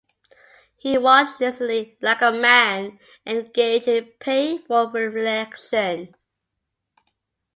He walked listlessly like a man engaged in painful reflection.